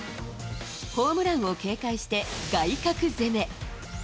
ホームランを警戒して外角攻め。